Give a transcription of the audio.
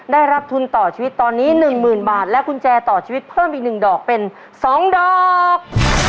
ได้รับทุนต่อชีวิตตอนนี้๑๐๐๐บาทและกุญแจต่อชีวิตเพิ่มอีก๑ดอกเป็น๒ดอก